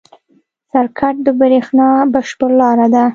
سرکټ د برېښنا بشپړ لاره ده.